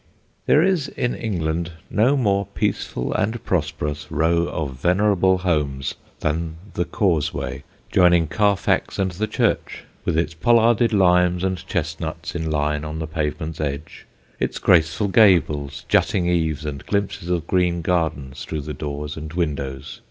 There is in England no more peaceful and prosperous row of venerable homes than the Causeway, joining Carfax and the church, with its pollarded limes and chestnuts in line on the pavement's edge, its graceful gables, jutting eaves, and glimpses of green gardens through the doors and windows.